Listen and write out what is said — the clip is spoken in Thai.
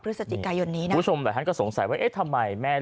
พฤศจิกายนนี้นะคุณผู้ชมหลายท่านก็สงสัยว่าเอ๊ะทำไมแม่